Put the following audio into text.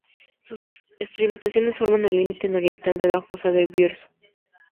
Sus estribaciones forman el límite nororiental de la fosa del Bierzo.